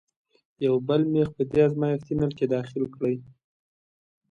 یو بل میخ په دې ازمیښتي نل کې داخل کړئ.